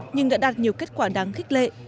nhưng đã đạt nhiều kết quả đáng khích lệ